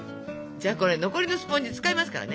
じゃあこれ残りのスポンジ使いますからね。